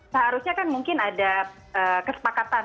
seharusnya kan mungkin ada kesepakatan